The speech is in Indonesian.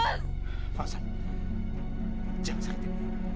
mas zan jangan sakitin dia